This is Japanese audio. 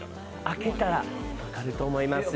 開けたら分かると思います。